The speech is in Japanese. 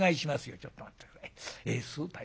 「ちょっと待って下さい。